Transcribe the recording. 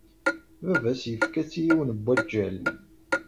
Baba-s yefka-tt i yiwen n waǧǧal.